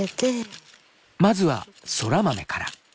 まずはそら豆から。